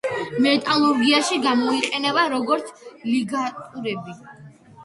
მეტალურგიაში გამოიყენება როგორც ლიგატურები.